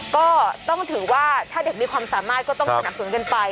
ก็ต้องถือว่าถ้าเด็กมีความสามารถก็ต้องสนับสนุนกันไป